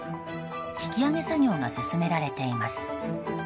引き揚げ作業が進められています。